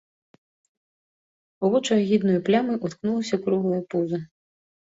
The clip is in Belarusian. У вочы агіднаю плямай уткнулася круглае пуза.